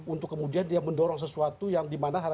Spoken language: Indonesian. untuk kemudian dia mendorong sesuatu yang dimana